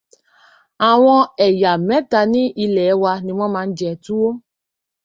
Àwọn ẹ̀yà mẹ́ta ní ilẹ̀ wa ni wọ́n máa ń jẹ túwó